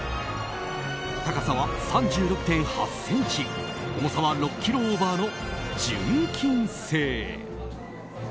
高さは３６．８ｃｍ重さは６ｋｇオーバーの純金製。